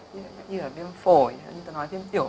như là viêm phổi như ta nói viêm tiểu